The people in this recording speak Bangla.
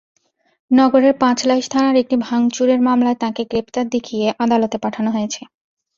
নগরের পাঁচলাইশ থানার একটি ভাঙচুরের মামলায় তাঁকে গ্রেপ্তার দেখিয়ে আদালতে পাঠানো হয়েছে।